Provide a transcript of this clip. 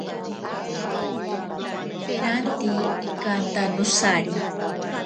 Peranti ikanta nosari.